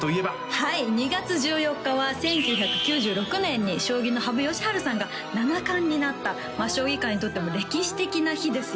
はい２月１４日は１９９６年に将棋の羽生善治さんが七冠になった将棋界にとっても歴史的な日ですよね